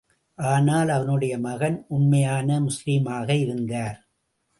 ஆனால், அவனுடைய மகன் உண்மையான முஸ்லிமாக இருந்தார்.